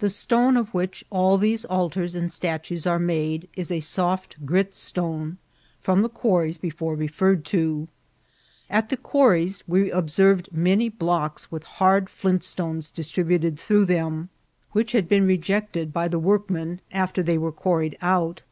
The stone of which all these altars and statues are made is a soft grit stone from the quarries before re ferred to. At the quarries we observed many blocks with hard flint stones distributed through them, which Vol. L— U 164 INCIDENTS OF TRAYXL. had been rejected by the workmen after they were quarried out.